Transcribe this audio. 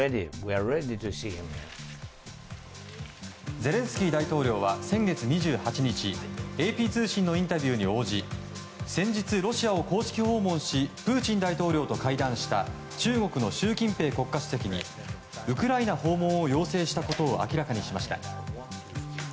ゼレンスキー大統領は先月２８日ＡＰ通信のインタビューに応じ先日、ロシアを公式訪問しプーチン大統領と会談した中国の習近平国家主席にウクライナ訪問を要請したことを明らかにしました。